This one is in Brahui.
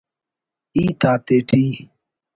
ہیت آتیٹی